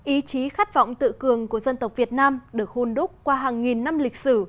ý chí khát vọng tự cường của dân tộc việt nam được hôn đúc qua hàng nghìn năm lịch sử